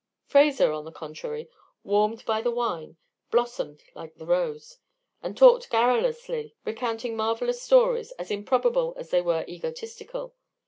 Fraser, on the contrary, warmed by the wine, blossomed like the rose, and talked garrulously, recounting marvellous stories, as improbable as they were egotistical.